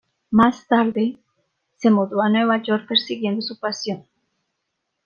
Más tarde, se mudó a Nueva York persiguiendo su pasión.